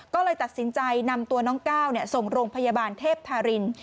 ก็เลยตัดสินใจนำตัวน้องก้าวส่งโรงพยาบาลเทพธาริน